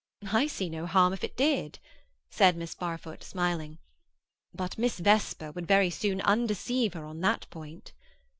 "I see no harm if it did," said Miss Barfoot, smiling. "But Miss Vesper would very soon undeceive her on that point."